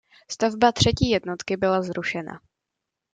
Stavba třetí jednotky byla zrušena.